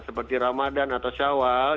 seperti ramadan atau shawwal